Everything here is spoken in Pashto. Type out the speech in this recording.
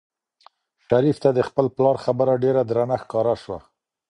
شریف ته د خپل پلار خبره ډېره درنه ښکاره شوه.